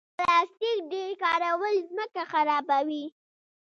د پلاستیک ډېر کارول ځمکه خرابوي.